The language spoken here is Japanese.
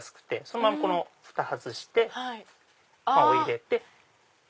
そのままふた外してお湯入れて。